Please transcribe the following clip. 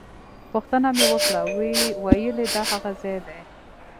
پوښتنه مې وکړه ویل یې دا هغه ځای دی.